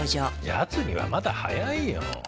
やつにはまだ早いよ。